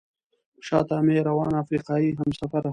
شاته مې روانه افریقایي همسفره.